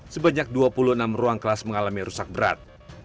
sebanyak dua puluh enam ruang kelas mengalami rusak berat